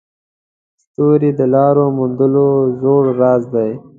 ستوري د لارو موندلو زوړ راز دی.